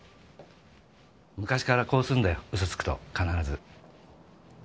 昔からこうするんだよ嘘つくと必ず。